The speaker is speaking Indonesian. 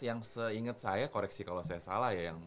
yang seingat saya koreksi kalau saya salah ya